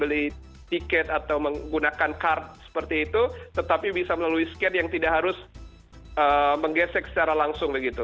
beli tiket atau menggunakan kartu seperti itu tetapi bisa melalui skate yang tidak harus menggesek secara langsung begitu